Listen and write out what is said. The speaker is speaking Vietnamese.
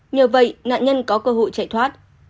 nhờ vậy nạn nhân có cơ hội chạy thoát